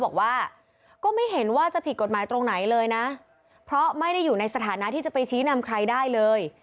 บอกว่าก็ไม่เห็นว่าจะผิดกฎหมายตรงไหนเลยนะเพราะไม่ได้อยู่ในสถานะที่จะไปชี้นำใครได้เลย